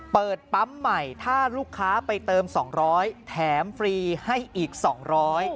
เปิดปั๊มใหม่ถ้าลูกค้าไปเติม๒๐๐บาทแถมฟรีให้อีก๒๐๐บาท